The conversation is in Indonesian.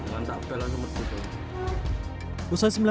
jangan takpe lah semua sudah